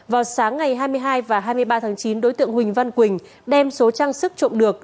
vào sáng ngày hai mươi hai và hai mươi ba tháng chín đối tượng huỳnh văn quỳnh đem số trang sức trộm được